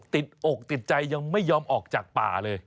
ติดอกติดใจยังไม่ยอมออกจากป่าเลย